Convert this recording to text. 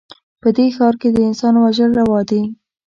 په دې ښـار کښې د انسان وژل روا دي